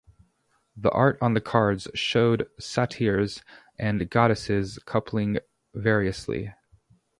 The art on the cards showed satyrs and goddesses coupling variously.